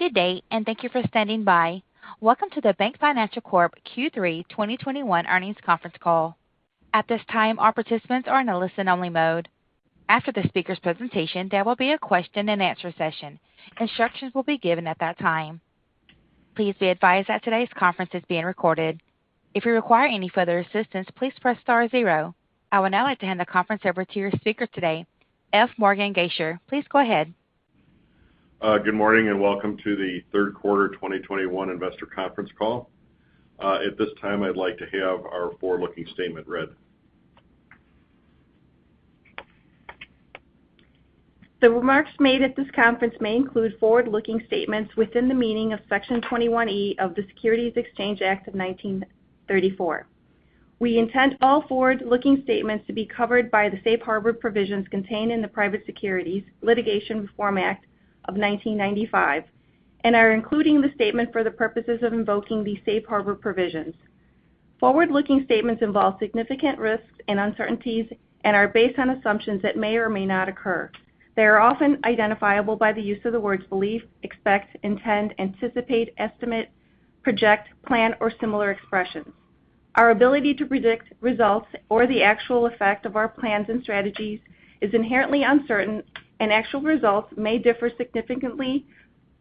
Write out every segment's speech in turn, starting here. Good day, and thank you for standing by. Welcome to the BankFinancial Corporation Q3 2021 earnings conference call. At this time, all participants are in a listen-only mode. After the speaker's presentation, there will be a question-and-answer session. Instructions will be given at that time. Please be advised that today's conference is being recorded. If you require any further assistance, please press star zero. I would now like to hand the conference over to your speaker today, F. Morgan Gasior. Please go ahead. Good morning, and welcome to the third quarter 2021 investor conference call. At this time, I'd like to have our forward-looking statement read. The remarks made at this conference may include forward-looking statements within the meaning of Section 21E of the Securities Exchange Act of 1934. We intend all forward-looking statements to be covered by the safe harbor provisions contained in the Private Securities Litigation Reform Act of 1995, and are including the statement for the purposes of invoking the safe harbor provisions. Forward-looking statements involve significant risks and uncertainties and are based on assumptions that may or may not occur. They are often identifiable by the use of the words belief, expect, intend, anticipate, estimate, project, plan, or similar expressions. Our ability to predict results or the actual effect of our plans and strategies is inherently uncertain, and actual results may differ significantly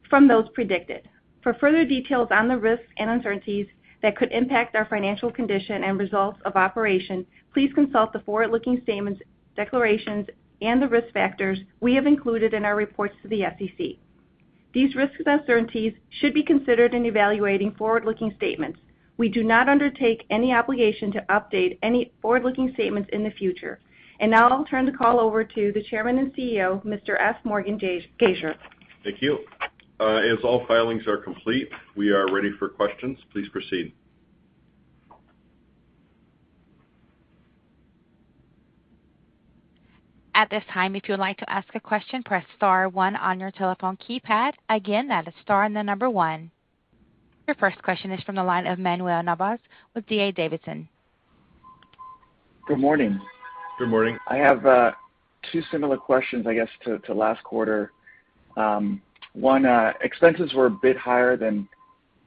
from those predicted. For further details on the risks and uncertainties that could impact our financial condition and results of operation, please consult the forward-looking statements, declarations, and the risk factors we have included in our reports to the SEC. These risks and uncertainties should be considered in evaluating forward-looking statements. We do not undertake any obligation to update any forward-looking statements in the future. Now, I'll turn the call over to the Chairman and CEO, Mr. F. Morgan Gasior. Thank you. As all filings are complete, we are ready for questions. Please proceed. At this time if you like to ask a question press star one on your telephone keypad. Again that is star and number one. Your first question is from the line of Manuel Navas with D.A. Davidson. Good morning. Good morning. I have two similar questions, I guess, to last quarter. One, expenses were a bit higher than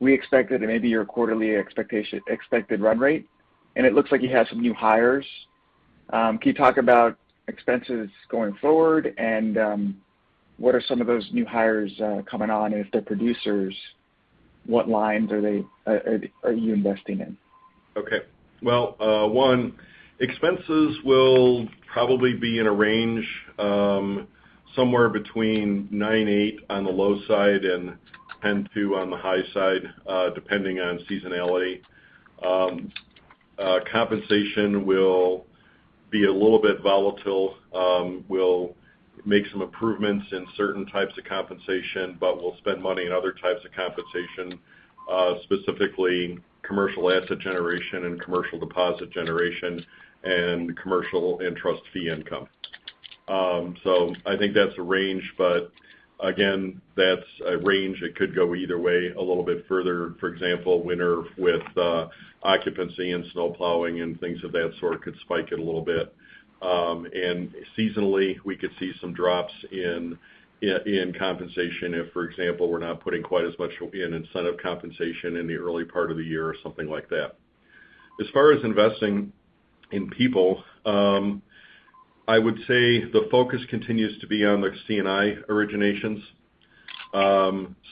we expected and maybe your quarterly expected run rate, and it looks like you had some new hires. Can you talk about expenses going forward and what are some of those new hires coming on? If they're producers, what lines are you investing in? Okay. Well, one, expenses will probably be in a range, somewhere between $9.8 on the low side and $10.2 on the high side, depending on seasonality. Compensation will be a little bit volatile. We'll make some improvements in certain types of compensation, but we'll spend money on other types of compensation, specifically commercial asset generation and commercial deposit generation and commercial and trust fee income. I think that's a range, but again, that's a range that could go either way a little bit further. For example, winter with occupancy and snow plowing and things of that sort could spike it a little bit. Seasonally, we could see some drops in compensation if, for example, we're not putting quite as much in incentive compensation in the early part of the year or something like that. As far as investing in people, I would say the focus continues to be on the C&I originations.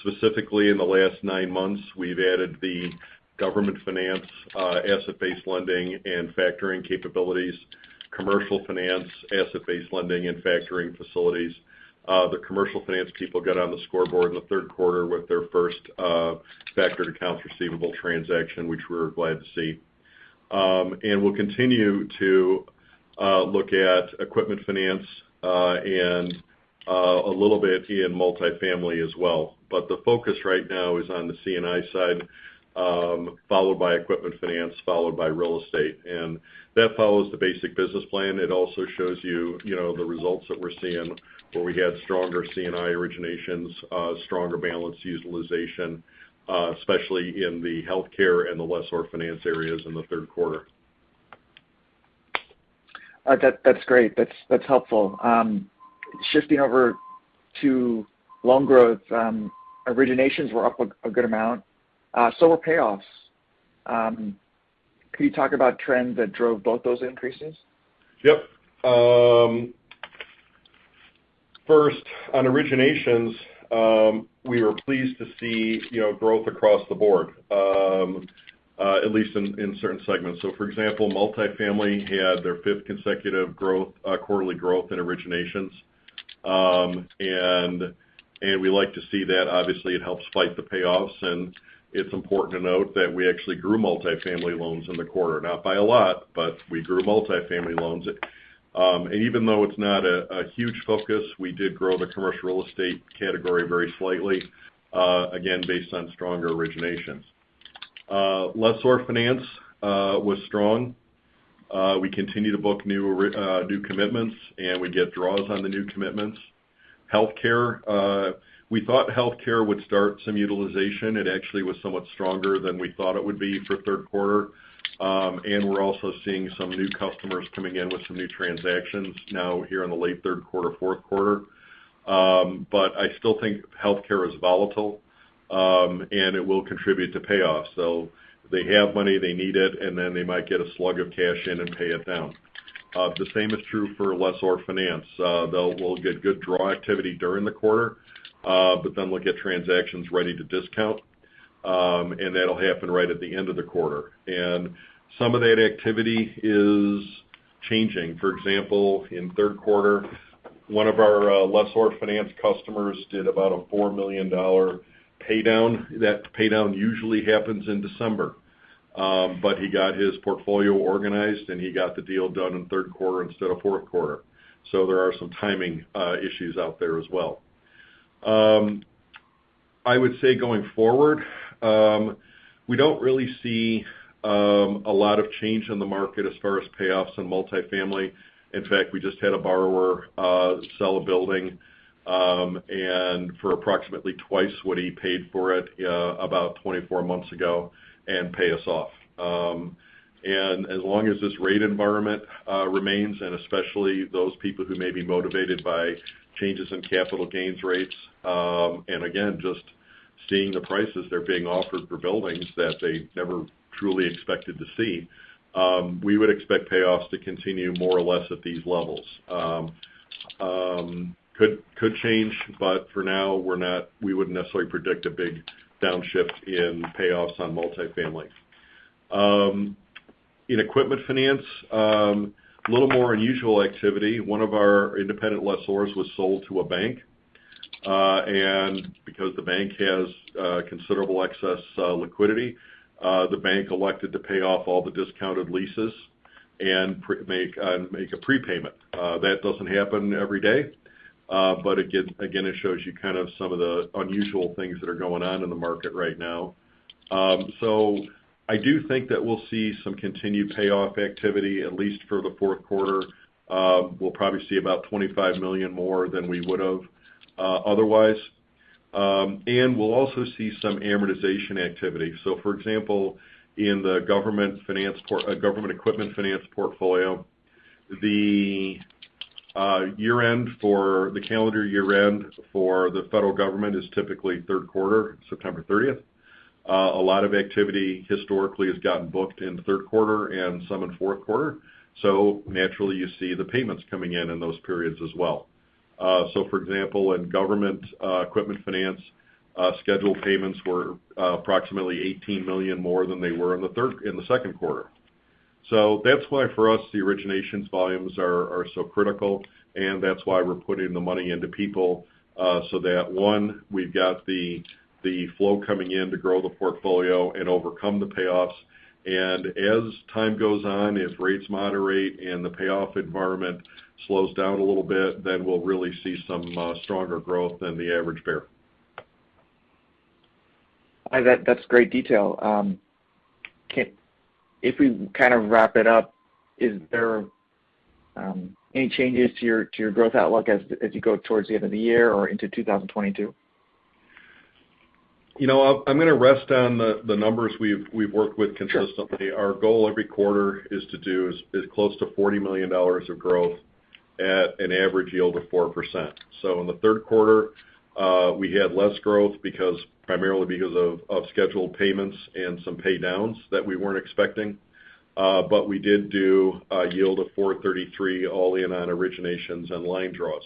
Specifically in the last nine months, we've added the government finance, asset-based lending and factoring capabilities, commercial finance, asset-based lending and factoring facilities. The commercial finance people got on the scoreboard in the third quarter with their first, factored accounts receivable transaction, which we're glad to see. We'll continue to look at equipment finance, and a little bit in multifamily as well. The focus right now is on the C&I side, followed by equipment finance, followed by real estate. That follows the basic business plan. It also shows you know, the results that we're seeing, where we had stronger C&I originations, stronger balance utilization, especially in the healthcare and the lessor finance areas in the third quarter. That's great. That's helpful. Shifting over to loan growth, originations were up a good amount. So were payoffs. Could you talk about trends that drove both those increases? Yep. First, on originations, we were pleased to see, you know, growth across the board, at least in certain segments. For example, multifamily had their fifth consecutive quarterly growth in originations. We like to see that. Obviously, it helps fight the payoffs, and it's important to note that we actually grew multifamily loans in the quarter. Not by a lot, but we grew multifamily loans. Even though it's not a huge focus, we did grow the commercial real estate category very slightly, again, based on stronger originations. Lessor finance was strong. We continue to book new commitments, and we get draws on the new commitments. Healthcare, we thought healthcare would start some utilization. It actually was somewhat stronger than we thought it would be for third quarter. We're also seeing some new customers coming in with some new transactions now here in the late third quarter, fourth quarter. I still think healthcare is volatile. It will contribute to payoffs. They have money, they need it, and then they might get a slug of cash in and pay it down. The same is true for lessor finance. We'll get good draw activity during the quarter, but then we'll get transactions ready to discount, and that'll happen right at the end of the quarter. Some of that activity is changing. For example, in third quarter, one of our lessor finance customers did about a $4 million pay down. That pay down usually happens in December. He got his portfolio organized, and he got the deal done in third quarter instead of fourth quarter. There are some timing issues out there as well. I would say going forward, we don't really see a lot of change in the market as far as payoffs in multifamily. In fact, we just had a borrower sell a building and for approximately twice what he paid for it about 24 months ago, and pay us off. As long as this rate environment remains, and especially those people who may be motivated by changes in capital gains rates, and again, just seeing the prices that are being offered for buildings that they never truly expected to see, we would expect payoffs to continue more or less at these levels. It could change, but for now, we wouldn't necessarily predict a big downshift in payoffs on multifamily. In equipment finance, a little more unusual activity. One of our independent lessors was sold to a bank. Because the bank has considerable excess liquidity, the bank elected to pay off all the discounted leases and make a prepayment. That doesn't happen every day, but again, it shows you kind of some of the unusual things that are going on in the market right now. I do think that we'll see some continued payoff activity, at least for the fourth quarter. We'll probably see about $25 million more than we would've otherwise. We'll also see some amortization activity. For example, in the government equipment finance portfolio, the year-end for the calendar year-end for the federal government is typically third quarter, September 30th. A lot of activity historically has gotten booked in third quarter and some in fourth quarter. Naturally, you see the payments coming in in those periods as well. For example, in government equipment finance, scheduled payments were approximately $18 million more than they were in the second quarter. That's why for us, the originations volumes are so critical, and that's why we're putting the money into people so that, one, we've got the flow coming in to grow the portfolio and overcome the payoffs. As time goes on, as rates moderate and the payoff environment slows down a little bit, then we'll really see some stronger growth than the average bear. That's great detail. If we kind of wrap it up, is there any changes to your growth outlook as you go towards the end of the year or into 2022? You know, I'm gonna rest on the numbers we've worked with consistently. Sure. Our goal every quarter is to do as close to $40 million of growth at an average yield of 4%. In the third quarter, we had less growth primarily because of scheduled payments and some pay downs that we weren't expecting. We did do a yield of 4.33% all in on originations and line draws.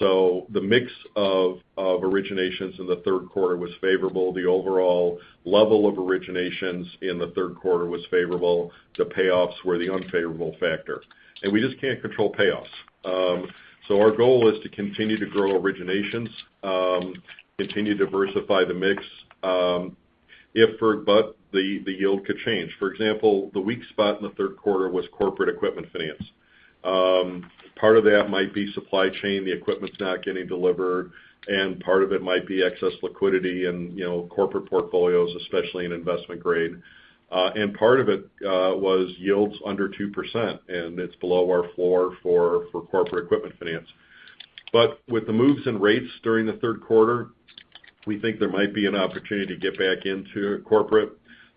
The mix of originations in the third quarter was favorable. The overall level of originations in the third quarter was favorable. The payoffs were the unfavorable factor. We just can't control payoffs. Our goal is to continue to grow originations, continue to diversify the mix, but the yield could change. For example, the weak spot in the third quarter was corporate equipment finance. Part of that might be supply chain, the equipment's not getting delivered, and part of it might be excess liquidity and, you know, corporate portfolios, especially in investment grade. Part of it was yields under 2%, and it's below our floor for corporate equipment finance. With the moves in rates during the third quarter, we think there might be an opportunity to get back into corporate.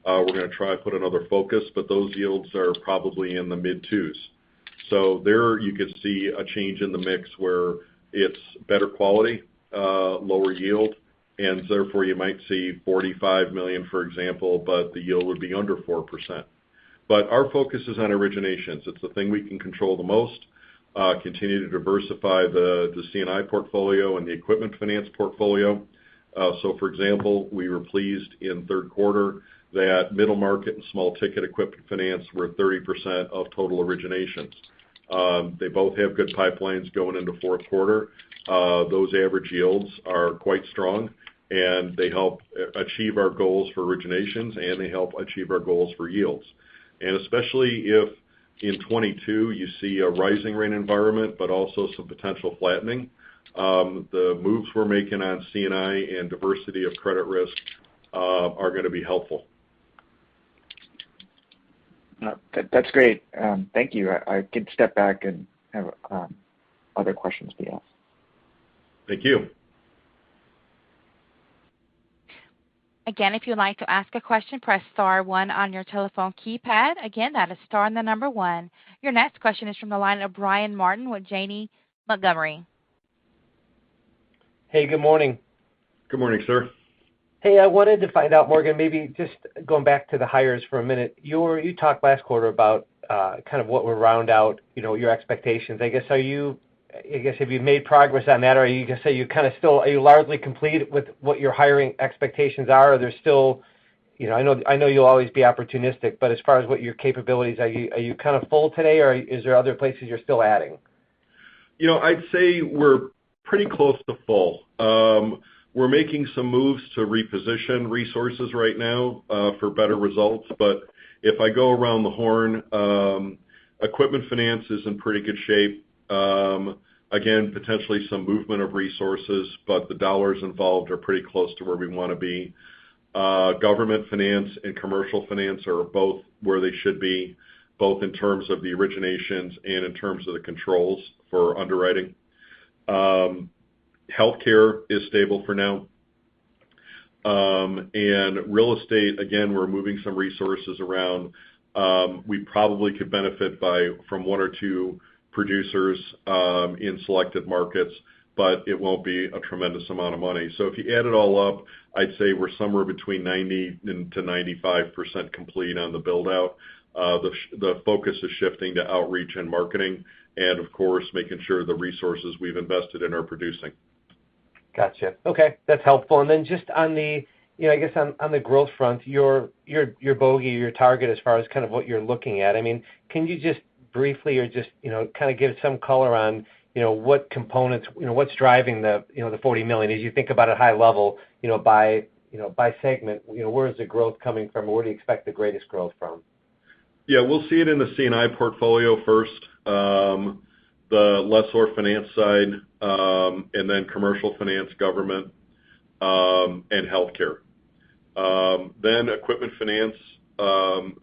We're gonna try to put another focus, but those yields are probably in the mid-2s%. There you could see a change in the mix where it's better quality, lower yield, and therefore, you might see $45 million, for example, but the yield would be under 4%. Our focus is on originations. It's the thing we can control the most, continue to diversify the C&I portfolio and the equipment finance portfolio. For example, we were pleased in third quarter that middle market and small ticket equipment finance were 30% of total originations. They both have good pipelines going into fourth quarter. Those average yields are quite strong, and they help achieve our goals for originations, and they help achieve our goals for yields. Especially if in 2022 you see a rising rate environment, but also some potential flattening, the moves we're making on C&I and diversity of credit risk are gonna be helpful. That's great. Thank you. I can step back and have other questions to be asked. Thank you. Again, if you'd like to ask a question, press star one on your telephone keypad. Again, that is star and the number one. Your next question is from the line of Brian Martin with Janney Montgomery. Hey, good morning. Good morning, sir. Hey, I wanted to find out, Morgan, maybe just going back to the hires for a minute. You talked last quarter about kind of what would round out, you know, your expectations. I guess, have you made progress on that? Or are you gonna say you kind of still are largely complete with what your hiring expectations are? Are there still you know, I know you'll always be opportunistic, but as far as what your capabilities are you kind of full today, or is there other places you're still adding? You know, I'd say we're pretty close to full. We're making some moves to reposition resources right now for better results. If I go around the horn, Equipment Finance is in pretty good shape. Again, potentially some movement of resources, but the dollars involved are pretty close to where we wanna be. Government finance and commercial finance are both where they should be, both in terms of the originations and in terms of the controls for underwriting. Healthcare is stable for now. Real estate, again, we're moving some resources around. We probably could benefit from one or two producers in selected markets, but it won't be a tremendous amount of money. If you add it all up, I'd say we're somewhere between 90%-95% complete on the build-out. The focus is shifting to outreach and marketing and, of course, making sure the resources we've invested in are producing. Gotcha. Okay, that's helpful. Then just on the, you know, I guess, on the growth front, your bogey, your target as far as kind of what you're looking at. I mean, can you just briefly or just, you know, kind of give some color on, you know, what components. You know, what's driving the, you know, the $40 million? As you think about it high level, you know, by segment, you know, where is the growth coming from? Where do you expect the greatest growth from? Yeah, we'll see it in the C&I portfolio first, the lessor finance side, and then commercial finance, government, and healthcare. Equipment Finance.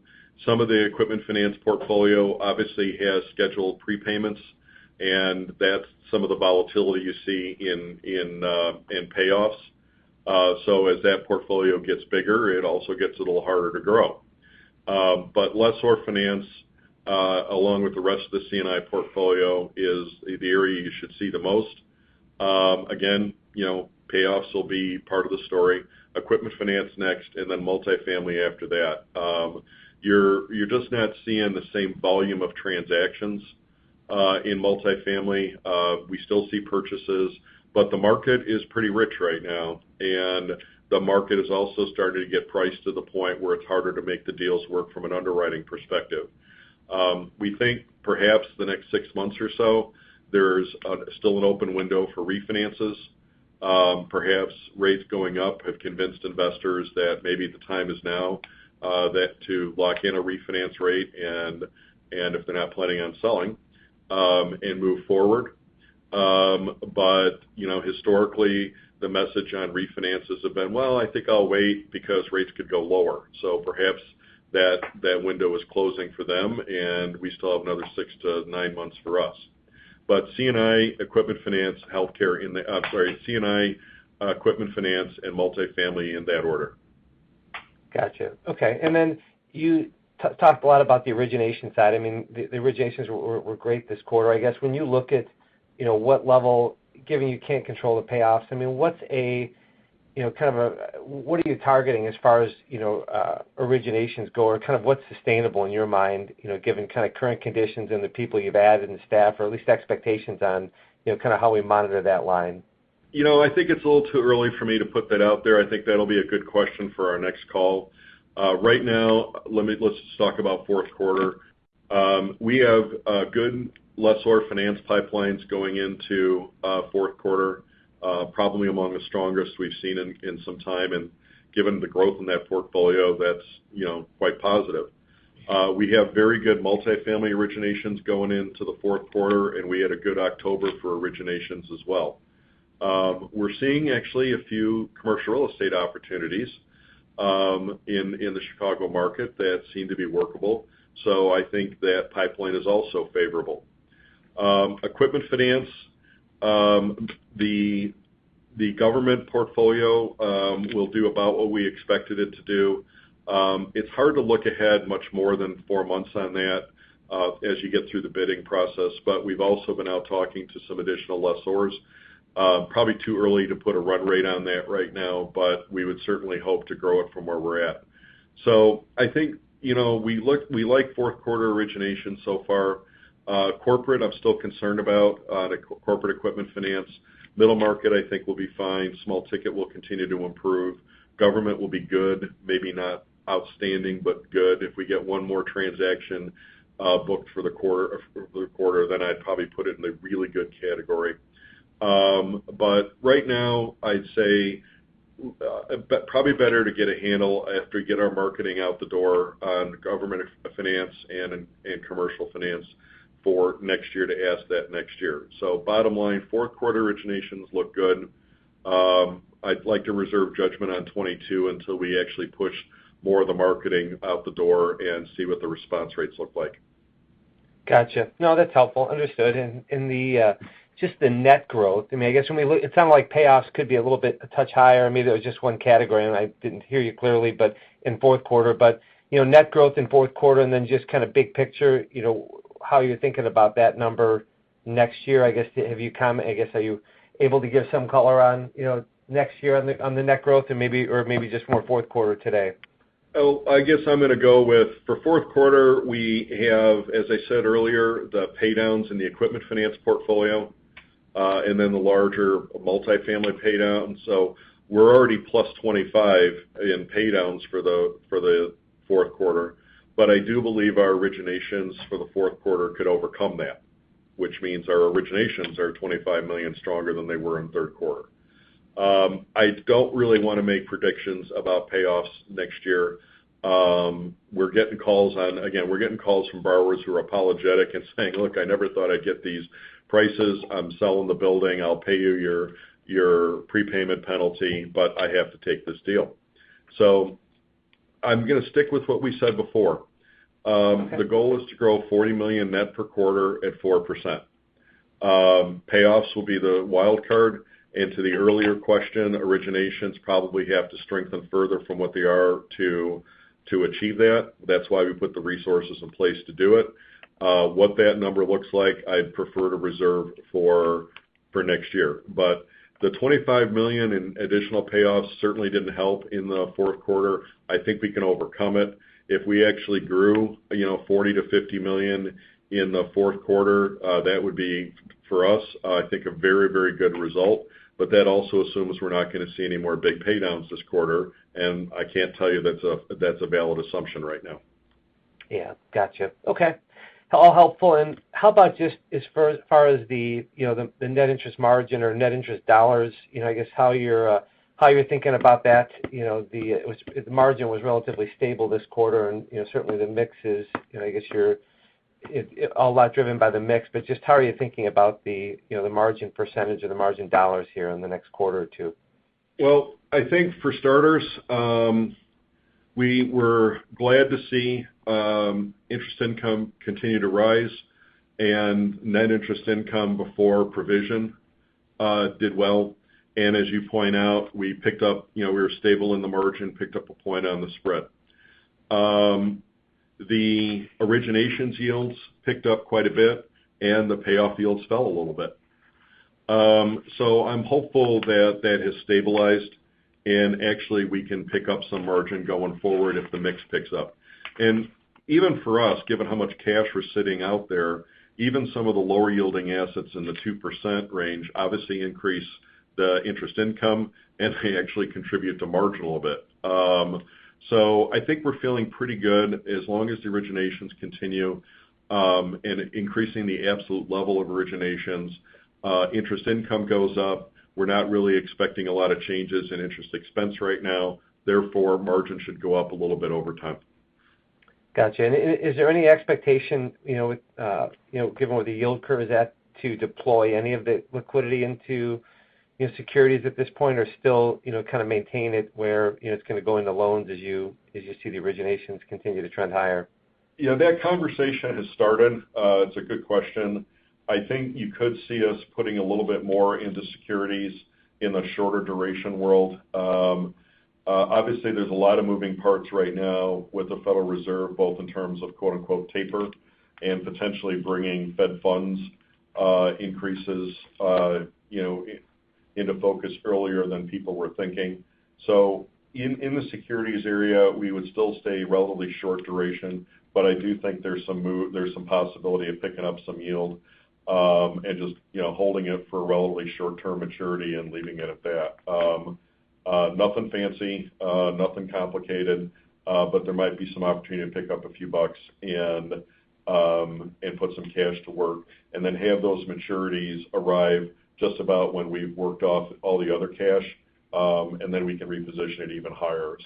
Some of the Equipment Finance portfolio obviously has scheduled prepayments, and that's some of the volatility you see in payoffs. As that portfolio gets bigger, it also gets a little harder to grow. Lessor finance, along with the rest of the C&I portfolio is the area you should see the most. Again, you know, payoffs will be part of the story. Equipment Finance next, and then multifamily after that. You're just not seeing the same volume of transactions in multifamily. We still see purchases, but the market is pretty rich right now, and the market has also started to get priced to the point where it's harder to make the deals work from an underwriting perspective. We think perhaps the next six months or so, there's still an open window for refinances. Perhaps rates going up have convinced investors that maybe the time is now, that to lock in a refinance rate and if they're not planning on selling, and move forward. You know, historically, the message on refinances have been, "Well, I think I'll wait because rates could go lower." Perhaps that window is closing for them, and we still have another six to nine months for us. C&I, Equipment Finance, and multifamily in that order. Gotcha. Okay. You talked a lot about the origination side. I mean, the originations were great this quarter. I guess, when you look at, you know, what level, given you can't control the payoffs, I mean, what are you targeting as far as, you know, originations go? Or kind of what's sustainable in your mind, you know, given kind of current conditions and the people you've added and staff, or at least expectations on, you know, kind of how we monitor that line? You know, I think it's a little too early for me to put that out there. I think that'll be a good question for our next call. Right now, let's just talk about fourth quarter. We have good lessor finance pipelines going into fourth quarter, probably among the strongest we've seen in some time. Given the growth in that portfolio, that's, you know, quite positive. We have very good multifamily originations going into the fourth quarter, and we had a good October for originations as well. We're seeing actually a few commercial real estate opportunities in the Chicago market that seem to be workable, so I think that pipeline is also favorable. Equipment Finance. The government portfolio will do about what we expected it to do. It's hard to look ahead much more than four months on that, as you get through the bidding process, but we've also been out talking to some additional lessors. Probably too early to put a run rate on that right now, but we would certainly hope to grow it from where we're at. I think, you know, we like fourth quarter origination so far. Corporate, I'm still concerned about the corporate Equipment Finance. Middle market, I think, will be fine. Small ticket will continue to improve. Government will be good, maybe not outstanding, but good. If we get one more transaction booked for the quarter, then I'd probably put it in the really good category. Right now, I'd say, probably better to get a handle after we get our marketing out the door on government finance and in commercial finance for next year to assess that next year. Bottom line, fourth quarter originations look good. I'd like to reserve judgment on 2022 until we actually push more of the marketing out the door and see what the response rates look like. Gotcha. No, that's helpful. Understood. Just the net growth, I mean, I guess, it sounded like payoffs could be a little bit a touch higher, maybe it was just one category, and I didn't hear you clearly, but in fourth quarter. You know, net growth in fourth quarter and then just kind of big picture, you know, how you're thinking about that number next year, I guess. I guess, are you able to give some color on, you know, next year on the, on the net growth and maybe, or maybe just more fourth quarter today? I guess, I'm gonna go with for fourth quarter, we have, as I said earlier, the pay downs in the equipment finance portfolio, and then the larger multifamily pay down. We're already +$25 million in pay downs for the fourth quarter. I do believe our originations for the fourth quarter could overcome that, which means our originations are $25 million stronger than they were in third quarter. I don't really wanna make predictions about payoffs next year. We're getting calls from borrowers who are apologetic and saying, "Look, I never thought I'd get these prices. I'm selling the building. I'll pay you your prepayment penalty, but I have to take this deal." I'm gonna stick with what we said before. Okay. The goal is to grow $40 million net per quarter at 4%. Payoffs will be the wild card. To the earlier question, originations probably have to strengthen further from what they are to achieve that. That's why we put the resources in place to do it. What that number looks like, I'd prefer to reserve for next year. The $25 million in additional payoffs certainly didn't help in the fourth quarter. I think we can overcome it. If we actually grew $40 million-$50 million in the fourth quarter, that would be, for us, I think a very, very good result. That also assumes we're not gonna see any more big pay downs this quarter, and I can't tell you that's a valid assumption right now. Yeah. Gotcha. Okay. All helpful. How about just as far as the, you know, the net interest margin or net interest dollars, you know, I guess, how you're thinking about that. You know, the margin was relatively stable this quarter and, you know, certainly the mix is, you know, I guess a lot driven by the mix, but just how are you thinking about the, you know, the margin percentage or the margin dollars here in the next quarter or two? Well, I think for starters, we were glad to see interest income continue to rise and net interest income before provision did well. As you point out, we picked up, you know, we were stable in the margin, picked up a point on the spread. The originations yields picked up quite a bit, and the payoff yields fell a little bit. I'm hopeful that that has stabilized and actually we can pick up some margin going forward if the mix picks up. Even for us, given how much cash we're sitting out there, even some of the lower yielding assets in the 2% range obviously increase the interest income, and they actually contribute to margin a little bit. I think we're feeling pretty good as long as the originations continue, and increasing the absolute level of originations, interest income goes up. We're not really expecting a lot of changes in interest expense right now, therefore, margin should go up a little bit over time. Gotcha. Is there any expectation, you know, you know, given where the yield curve is at, to deploy any of the liquidity into, you know, securities at this point or still, you know, kind of maintain it where, you know, it's gonna go into loans as you see the originations continue to trend higher? Yeah. That conversation has started. It's a good question. I think you could see us putting a little bit more into securities in the shorter duration world. Obviously, there's a lot of moving parts right now with the Federal Reserve, both in terms of quote, unquote "taper" and potentially bringing Fed funds increases, you know, into focus earlier than people were thinking. In the securities area, we would still stay relatively short duration, but I do think there's some possibility of picking up some yield, and just, you know, holding it for a relatively short-term maturity and leaving it at that. Nothing fancy, nothing complicated, but there might be some opportunity to pick up a few bucks and put some cash to work and then have those maturities arrive just about when we've worked off all the other cash, and then we can reposition it even higher.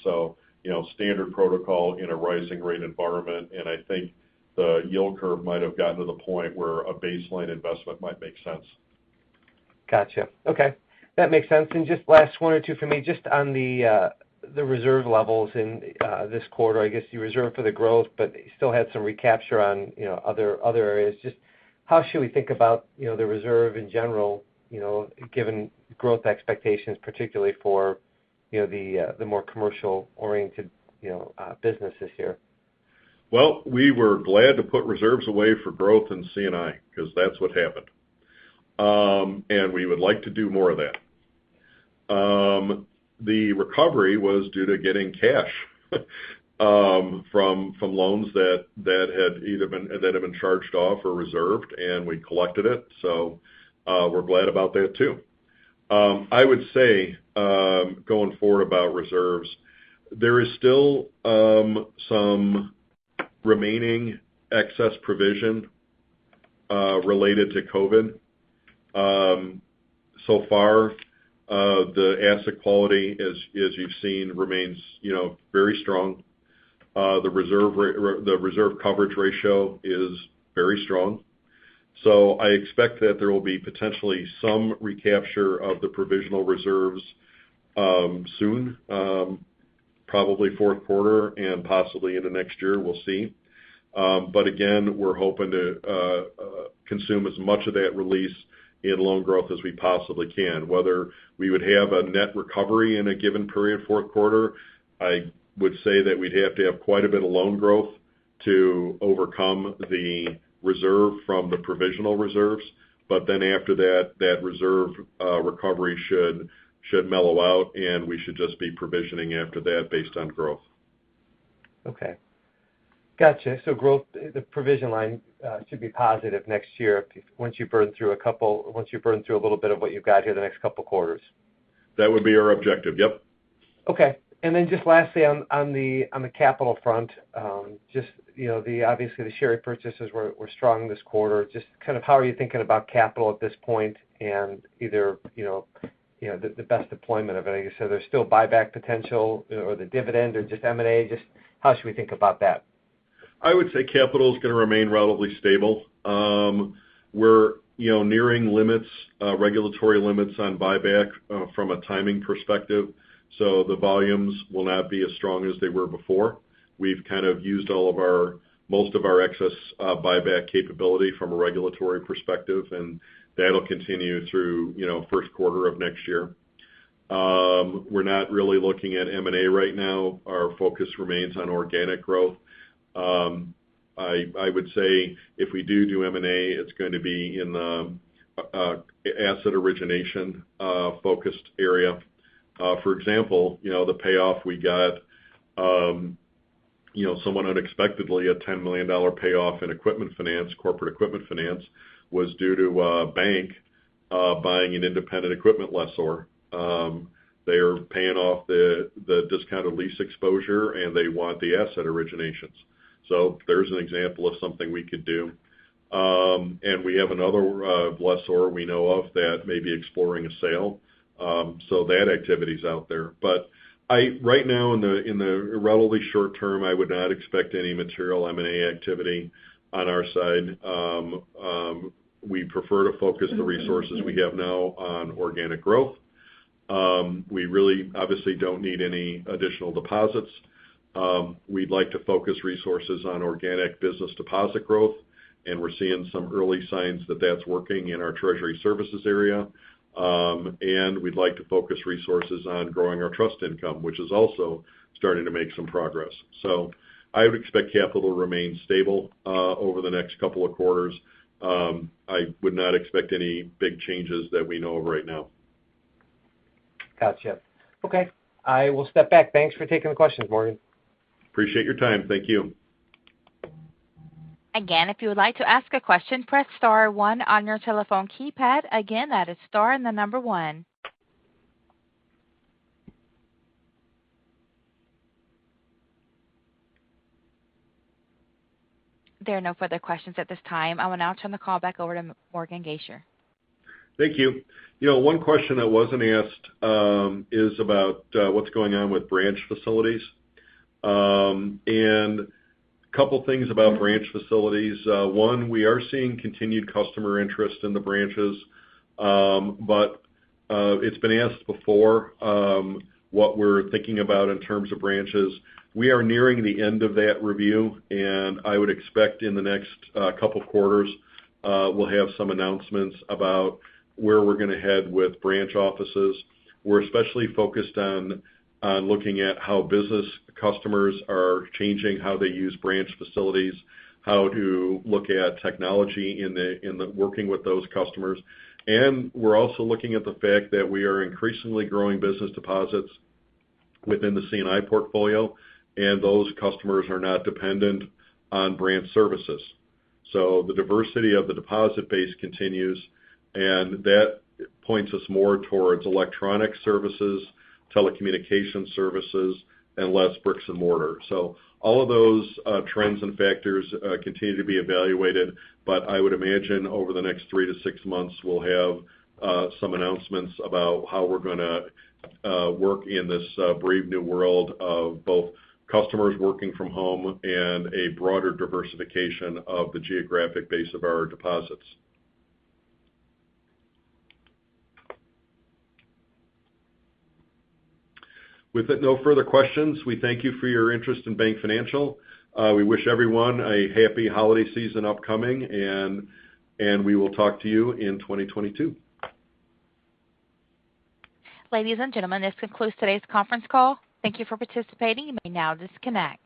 You know, standard protocol in a rising rate environment, and I think the yield curve might have gotten to the point where a baseline investment might make sense. Gotcha. Okay. That makes sense. Just last one or two for me, just on the reserve levels in this quarter. I guess, you reserved for the growth, but you still had some recapture on, you know, other areas. Just how should we think about, you know, the reserve in general, you know, given growth expectations, particularly for, you know, the more commercial-oriented, you know, business this year? Well, we were glad to put reserves away for growth in C&I 'cause that's what happened. We would like to do more of that. The recovery was due to getting cash from loans that had either been charged off or reserved, and we collected it. We're glad about that too. I would say going forward about reserves, there is still some remaining excess provision related to COVID. So far, the asset quality, as you've seen, remains, you know, very strong. The reserve coverage ratio is very strong. I expect that there will be potentially some recapture of the provisional reserves soon, probably fourth quarter and possibly into next year, we'll see. Again, we're hoping to consume as much of that release in loan growth as we possibly can. Whether we would have a net recovery in a given period, fourth quarter, I would say that we'd have to have quite a bit of loan growth to overcome the reserve from the provisional reserves. After that reserve recovery should mellow out, and we should just be provisioning after that based on growth. Okay. Gotcha. Growth, the provision line should be positive next year once you've burned through a little bit of what you've got here the next couple quarters. That would be our objective. Yep. Okay. Just lastly on the capital front, just you know, obviously the share purchases were strong this quarter. Just kind of how are you thinking about capital at this point and either you know the best deployment of it. I guess, there's still buyback potential or the dividend or just M&A. Just how should we think about that? I would say capital is gonna remain relatively stable. We're, you know, nearing limits, regulatory limits on buyback, from a timing perspective, so the volumes will not be as strong as they were before. We've kind of used most of our excess buyback capability from a regulatory perspective, and that'll continue through, you know, first quarter of next year. We're not really looking at M&A right now. Our focus remains on organic growth. I would say if we do M&A, it's going to be in the asset origination focused area. For example, you know, the payoff we got, you know, somewhat unexpectedly, a $10 million payoff in equipment finance, corporate equipment finance was due to a bank buying an independent equipment lessor. They are paying off the discounted lease exposure, and they want the asset originations. There's an example of something we could do. We have another lessor we know of that may be exploring a sale, so that activity's out there. Right now in the relatively short term, I would not expect any material M&A activity on our side. We prefer to focus the resources we have now on organic growth. We really obviously don't need any additional deposits. We'd like to focus resources on organic business deposit growth, and we're seeing some early signs that that's working in our treasury services area. We'd like to focus resources on growing our trust income, which is also starting to make some progress. I would expect capital to remain stable over the next couple of quarters. I would not expect any big changes that we know of right now. Gotcha. Okay, I will step back. Thanks for taking the questions, Morgan. Appreciate your time. Thank you. Again, if you would like to ask a question, press star one on your telephone keypad. Again, that is star and the number one. There are no further questions at this time. I will now turn the call back over to Morgan Gasior. Thank you. You know, one question that wasn't asked is about what's going on with branch facilities. Couple things about branch facilities. One, we are seeing continued customer interest in the branches, but it's been asked before, what we're thinking about in terms of branches. We are nearing the end of that review, and I would expect in the next couple quarters, we'll have some announcements about where we're gonna head with branch offices. We're especially focused on looking at how business customers are changing how they use branch facilities, how to look at technology working with those customers. We're also looking at the fact that we are increasingly growing business deposits within the C&I portfolio, and those customers are not dependent on branch services. The diversity of the deposit base continues, and that points us more towards electronic services, telecommunication services, and less bricks and mortar. All of those trends and factors continue to be evaluated, but I would imagine over the next three to 6 months, we'll have some announcements about how we're gonna work in this brave new world of both customers working from home and a broader diversification of the geographic base of our deposits. With no further questions, we thank you for your interest in BankFinancial. We wish everyone a happy holiday season upcoming, and we will talk to you in 2022. Ladies and gentlemen, this concludes today's conference call. Thank you for participating. You may now disconnect.